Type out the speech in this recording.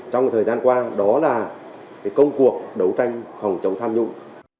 trong thời gian qua đó là công cuộc đấu tranh phòng chống tham nhũng